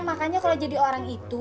makanya kalau jadi orang itu